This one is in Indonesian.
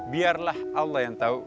biarlah allah yang tahu